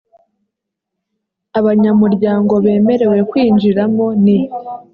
abanyamuryango bemerewe kwinjiramo ni